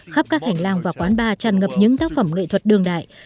khắp các hành lang và quán bar tràn ngập những tác phẩm nghệ thuật đương đại